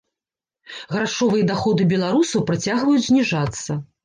Грашовыя даходы беларусаў працягваюць зніжацца.